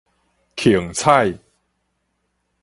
虹彩